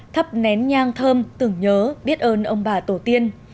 thắp nén nhang thơm tưởng nhớ biết ơn ông bà tổ tiên